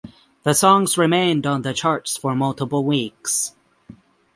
The song remained on the charts for multiple weeks.